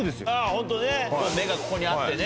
ホントね目がここにあってね